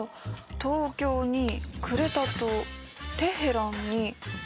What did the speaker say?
「東京」に「クレタ島」「テヘラン」に「メンフィス」？